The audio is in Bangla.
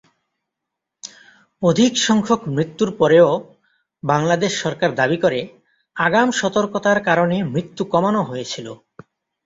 অধিক সংখ্যক মৃত্যুর পরেও, বাংলাদেশ সরকার দাবি করে, আগাম সতর্কতার কারণে মৃত্যু কমানো হয়েছিল।